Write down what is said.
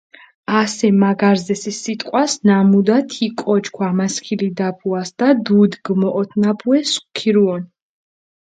ასე მა გარზე სი სიტყვას, ნამუდა თი კოჩქ ვამასქილიდაფუასჷდა, დუდი გჷმოჸოთინაფუე სქირუონ.